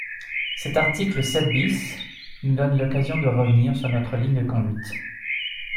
Cet article sept bis nous donne l’occasion de revenir sur notre ligne de conduite.